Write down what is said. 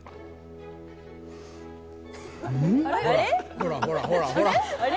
ほらほらほらほらあれ？